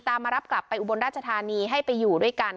แล้วก็เลยทำรับกลับไปอุบลราชธานีให้ไปอยู่ด้วยกัน